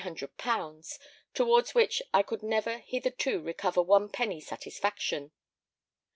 _, towards which I could never hitherto recover one penny satisfaction.